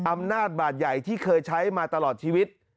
อำนาจบาดใหญ่ที่เคยใช้มาตลอดชีวิต